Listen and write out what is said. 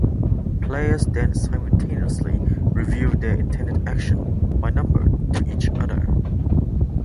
Players then simultaneously reveal their intended action, by number, to each other.